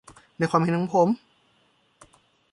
ในความเห็นของผม